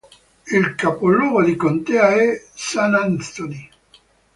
Il capoluogo di contea è St. Anthony.